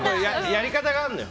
やり方があるのよ。